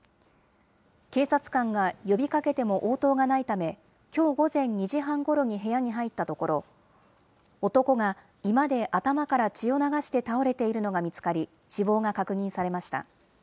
警察官が呼びかけても応答がないため、きょう午前２時半ごろに部屋に入ったところ、男が居間で頭から血を流して倒れているのが見つかり、死亡が確認されました。